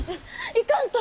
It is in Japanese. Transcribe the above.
行かんと！